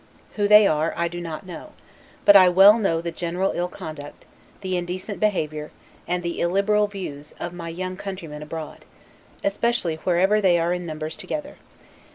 Who they are, I do not know; but I well know the general ill conduct, the indecent behavior, and the illiberal views, of my young countrymen. abroad; especially wherever they are in numbers together.